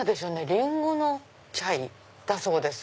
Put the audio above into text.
リンゴのチャイだそうです。